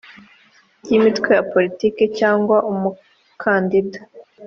ry imitwe ya politiki cyangwa umukandida